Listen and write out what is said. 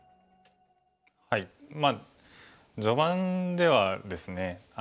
まあ序盤ではですね